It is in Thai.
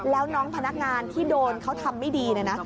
แล้วน้องพนักงานที่โดนเขาทำไม่ดีเนี่ยนะ